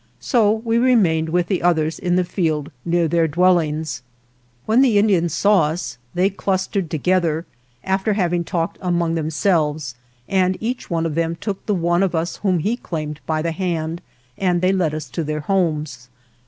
So we remained with the others in the field near their dwell ings. When the Indians saw us they clustered together, after having talked among them selves, and each one of them took the one of us whom he claimed by the hand and they led us to their homes.